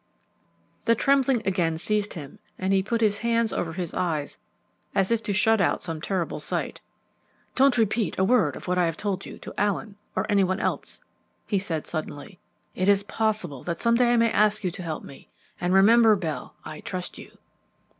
The trembling again seized him, and he put his hands over his eyes as if to shut out some terrible sight. "Don't repeat a word of what I have told you to Allen or any one else," he said suddenly. "It is possible that some day I may ask you to help me; and remember, Bell, I trust you."